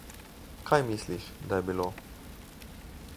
Kaj misliš, da je bilo?